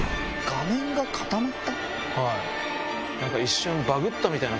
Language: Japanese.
何か一瞬。